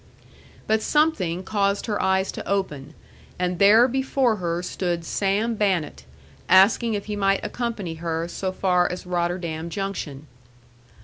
But something caused her eyes to open; and there before her stood Sam Bannett, asking if he might accompany her so far as Rotterdam Junction.